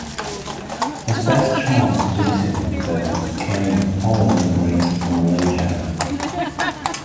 His best chance to do so though came in the following race in Malaysia.